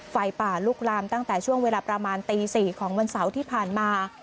ไฟป่าลุกลามตั้งแต่ช่วงเวลาประมาณตี๔ของวันเสาร์ที่ผ่านมา